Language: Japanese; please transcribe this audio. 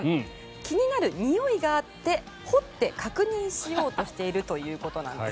気になるにおいがあって掘って確認しようとしているということです。